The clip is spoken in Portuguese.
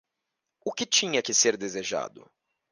O que tinha que ser desejado?